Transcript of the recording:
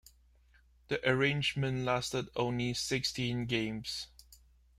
The arrangement lasted only sixteen games.